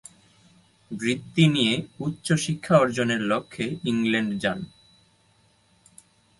বৃত্তি নিয়ে উচ্চ শিক্ষা অর্জনের লক্ষ্যে ইংল্যান্ড যান।